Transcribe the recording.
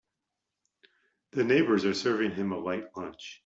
The neighbors are serving him a light lunch.